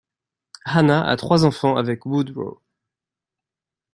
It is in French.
Hannah a trois enfants avec Woodrow.